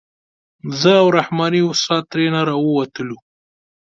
زه او رحماني استاد ترېنه راووتلو.